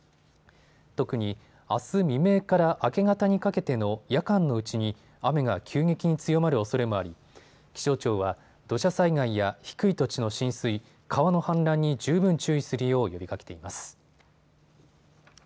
特にあす未明から明け方にかけての夜間のうちに雨が急激に強まるおそれもあり気象庁は土砂災害や低い土地の浸水、川の氾濫に十分注意するよう呼びかけています。